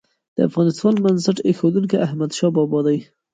د افغانستان بنسټ ايښودونکی احمدشاه بابا دی.